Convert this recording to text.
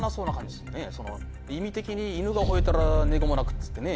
意味的に「犬がほえたら猫も鳴く」っつってね？